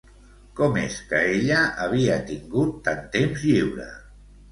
Com és que ella havia tingut tant temps lliure?